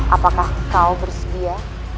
apakah kau bersedia